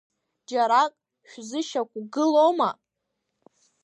Џьарак шәзышьақәгылома?